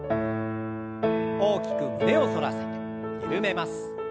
大きく胸を反らせてゆるめます。